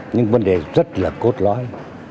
nhưng vấn đề rất là cốt lõi